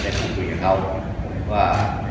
แต่กูคุยเหอะก็บอกว่า